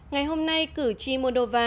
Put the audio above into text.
ngày hôm nay cử tri moldova